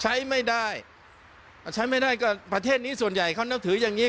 ใช้ไม่ได้ใช้ไม่ได้ก็ประเทศนี้ส่วนใหญ่เขานับถืออย่างนี้